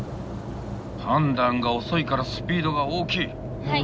判断が遅いからスピードが大きい。